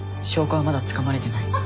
証拠はまだつかまれてない。